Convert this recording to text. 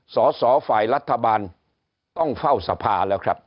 สอสอฝ่ายรัฐบาลต้องเฝ้าสภาแล้วครับ